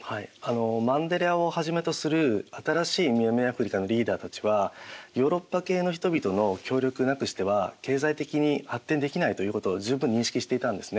マンデラをはじめとする新しい南アフリカのリーダーたちはヨーロッパ系の人々の協力なくしては経済的に発展できないということを十分認識していたんですね。